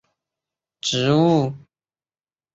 单花忍冬为忍冬科忍冬属的植物。